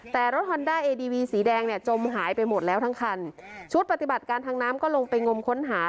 แต่รถฮอนด้าเอดีวีสีแดงเนี่ยจมหายไปหมดแล้วทั้งคันชุดปฏิบัติการทางน้ำก็ลงไปงมค้นหา